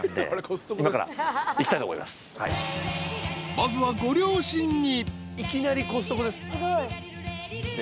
［まずはご両親に］